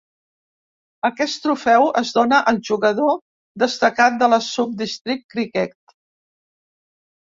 Aquest trofeu es dóna al jugador destacat de la Sub-District Cricket.